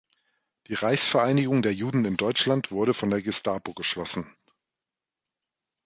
Die „Reichsvereinigung der Juden in Deutschland“ wurde von der Gestapo geschlossen.